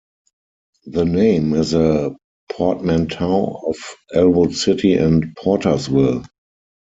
The name is a portmanteau of Ellwood City and Portersville.